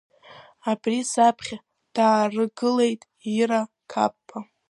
Абри саԥхьа дааргылеит Ира Қапба.